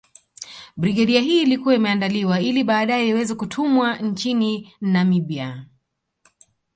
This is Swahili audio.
Brigedia hii ilikuwa imeandaliwa ili baadae iweze kutumwa nchini Namibia